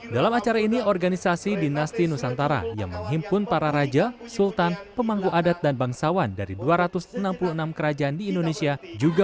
dalam acara ini organisasi dinasti nusantara yang menghimpun para raja sultan pemangku adat dan bangsawan dari dua ratus enam puluh enam kerajaan di indonesia juga